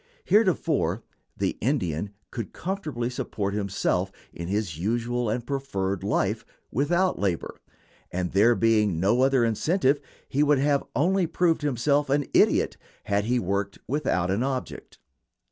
Heretofore the Indian could comfortably support himself in his usual and preferred life without labor; and there being no other incentive he would have only proved himself an idiot had he worked without an object.